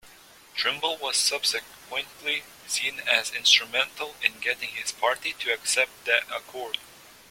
Trimble was subsequently seen as instrumental in getting his party to accept the accord.